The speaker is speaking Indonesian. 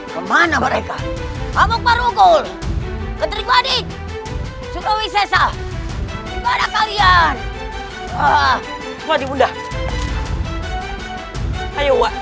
kemana mereka amuk marugul ketik wadid surawi seser pada kalian ah wadid muda hai ayo wadid